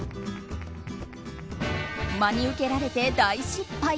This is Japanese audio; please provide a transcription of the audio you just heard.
真に受けられて大失敗。